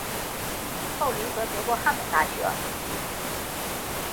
后留学德国汉堡大学。